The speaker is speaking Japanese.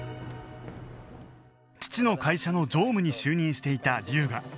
父の会社の常務に就任していた龍河